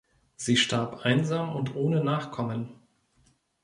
Sie starb einsam und ohne Nachkommen.